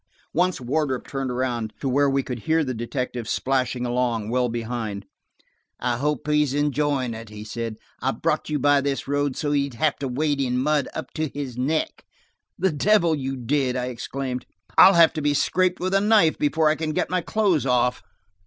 Once Wardrop turned around to where we could hear the detective splashing along, well behind. "I hope he's enjoying it," he said. "I brought you by this road, so he'd have to wade in mud up to his neck." "The devil you did!" I exclaimed. "I'll have to be scraped with a knife before I can get my clothes off."